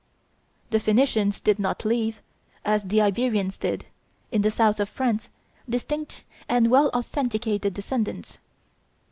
The Phoenicians did not leave, as the Iberians did, in the south of France distinct and well authenticated descendants.